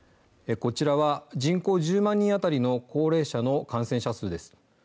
こちらは人口１０万人あたりの高齢者の感染者数です。